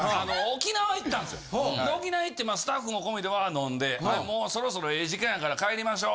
沖縄行ってスタッフも込みでワーッ飲んで「もうそろそろええ時間やから帰りましょう」